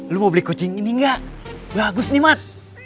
lo mau beli kucing ini enggak bagus nih mat